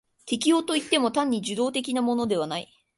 適応といっても単に受動的なものでない。